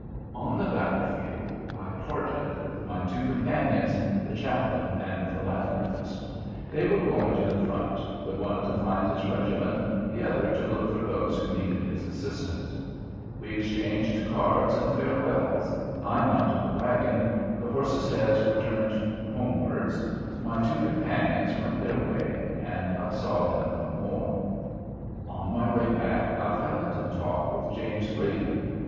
On the battle field I parted with my two companions, the Chaplain and the Philanthropist. They were going to the front, the one to find his regiment, the other to look for those who needed his assistance. We exchanged cards and farewells, I mounted the wagon, the horses' heads were turned homewards, my two companions went their way, and I saw them no more. On my way back, I fell into talk with James Grayden.